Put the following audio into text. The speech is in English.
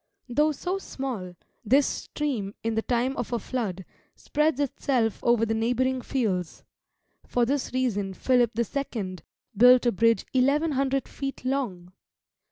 Though so small, this stream in the time of a flood spreads itself over the neighbouring fields; for this reason Philip the Second built a bridge eleven hundred feet long!